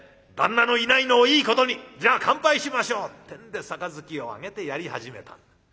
旦那のいないのをいいことにじゃあ乾杯しましょう」ってんで杯をあげてやり始めた。